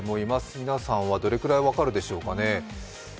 皆さんはどれぐらい分かるでしょうか？